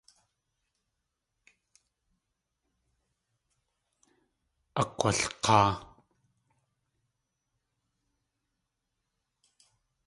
Akg̲walk̲áa.